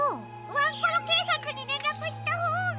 ワンコロけいさつにれんらくしたほうが。